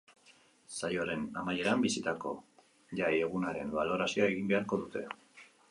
Saioaren amaieran, bizitako jai egunaren balorazioa egin beharko dute.